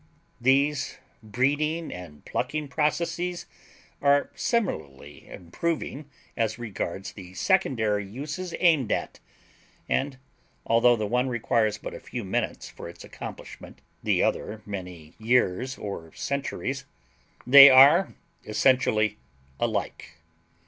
These breeding and plucking processes are similarly improving as regards the secondary uses aimed at; and, although the one requires but a few minutes for its accomplishment, the other many years or centuries, they are essentially alike.